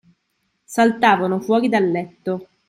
Saltavamo fuori dal letto